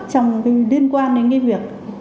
trong cái liên quan đến cái việc